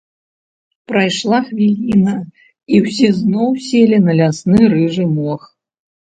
Прайшла хвіліна, і ўсе зноў селі на лясны рыжы мох.